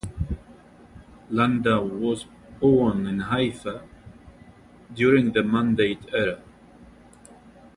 Landau was born in Haifa during the Mandate era.